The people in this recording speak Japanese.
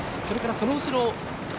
それからその後ろ